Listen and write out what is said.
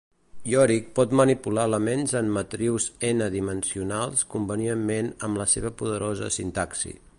Yorick pot manipular elements en matrius N-dimensionals convenientment amb la seva poderosa sintaxi.